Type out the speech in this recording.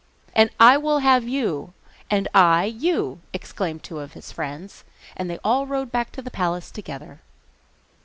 'And I will have you,' 'And I you,' exclaimed two of his friends, and they all rode back to the palace together.